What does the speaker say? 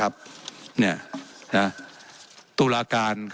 และยังเป็นประธานกรรมการอีก